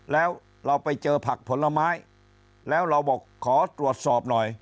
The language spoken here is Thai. แล้วเราไปเจอผักผลไม้แล้วเราบอกขอตรวจสอบหน่อย